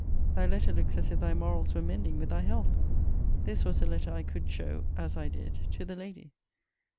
Thy letter looks as if thy morals were mending with thy health. This was a letter I could show, as I did, to the lady.